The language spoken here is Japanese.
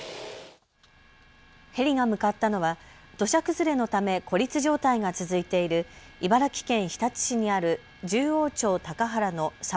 ヘリが向かったのは土砂崩れのため孤立状態が続いている茨城県日立市にある十王町高原の沢